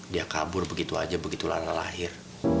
dia kabur begitu aja begitu lana lahir